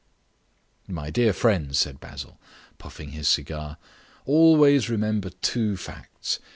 "My dear friends," said Basil, puffing his cigar, "always remember two facts.